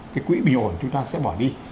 cái quỹ bình ổn chúng ta sẽ bỏ đi